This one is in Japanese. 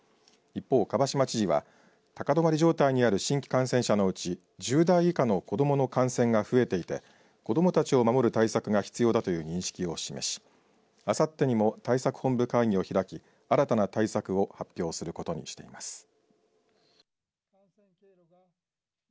一方、蒲島知事は高止まり状態にある新規感染者のうち１０代以下の子どもの感染が増えていて子どもたちを守る対策が必要だという認識を示しあさってにも対策本部会議を開き新たな対策を発表することにしています。